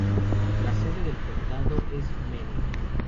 La sede del condado es Manning.